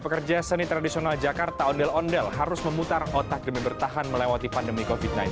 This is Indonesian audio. pekerja seni tradisional jakarta ondel ondel harus memutar otak demi bertahan melewati pandemi covid sembilan belas